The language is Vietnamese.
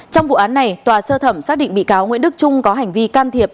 trong vụ án này tòa sơ thẩm xác định bị cáo nguyễn đức trung có hành vi can thiệp